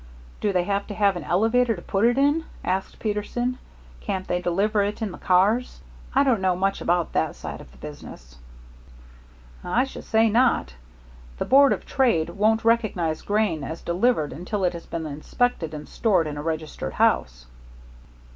"Do they have to have an elevator to put it in?" asked Peterson. "Can't they deliver it in the cars? I don't know much about that side of the business." "I should say not. The Board of Trade won't recognize grain as delivered until it has been inspected and stored in a registered house."